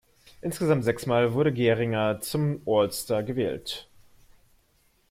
Insgesamt sechsmal wurde Gehringer zum All Star gewählt.